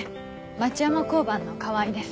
町山交番の川合です。